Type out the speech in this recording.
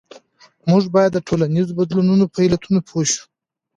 موږ باید د ټولنیزو بدلونونو په علتونو پوه شو.